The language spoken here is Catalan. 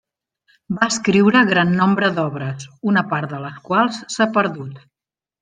Va escriure gran nombre d'obres, una part de les quals s'ha perdut.